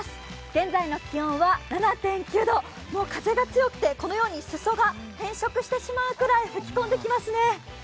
現在の気温は７．９度風が強くてこのように裾が変色するぐらい吹き込んできますね。